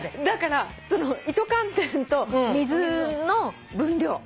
だから糸寒天と水の分量。